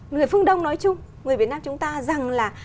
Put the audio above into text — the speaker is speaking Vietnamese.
người phương đông nói chung người việt nam chúng ta rằng là